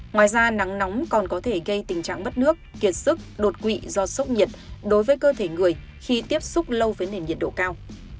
ngoài ra nắng nóng còn có thể gây tình trạng bất nước kiệt sức đột quỵ do sốc nhiệt đối với cơ thể người khi tiếp xúc lâu với nền nhiệt độ cao